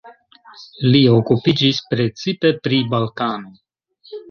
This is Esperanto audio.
Li okupiĝis precipe pri Balkano.